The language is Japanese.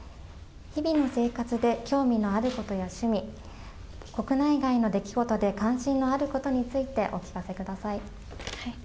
日々の生活で興味のあることや趣味、国内外の出来事で関心のあることについてお聞かせください。